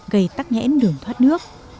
gây tắt nghẽn đường thoát nước